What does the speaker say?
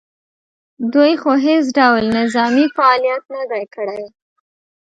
دوی خو هېڅ ډول نظامي فعالیت نه دی کړی